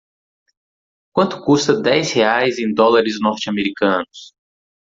quanto custa dez reais em dólares norte americanos